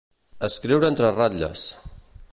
Escriure entre ratlles.